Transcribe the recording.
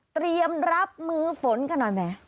เตรียมรับมือฝนกันหน่อยแหม